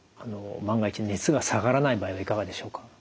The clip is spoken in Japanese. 万が一熱が下がらない場合はいかがでしょうか？